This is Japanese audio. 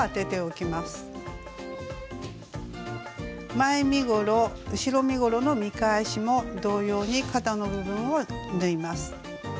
前身ごろ後ろ身ごろの見返しも同様に肩の部分を縫います。